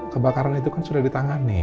kebakaran itu kan sudah ditangani